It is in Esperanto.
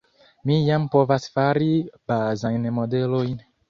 mi jam povas fari bazajn modelojn